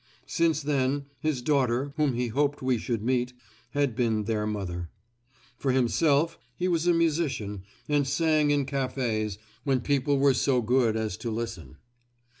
Since then his daughter, whom he hoped we should meet, had been their mother. For himself, he was a musician and sang in cafis, when people were so good as to listen.